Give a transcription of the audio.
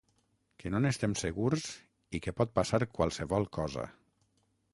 Que no n’estem segurs i que pot passar qualsevol cosa.